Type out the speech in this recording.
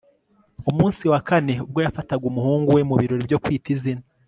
umunsi wa kane, ubwo yafataga umuhungu we mu birori byo kwita izina